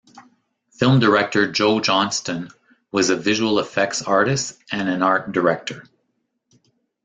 Film director Joe Johnston was a Visual effects artist and an Art Director.